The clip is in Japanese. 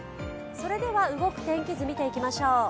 動く天気図、見ていきましょう。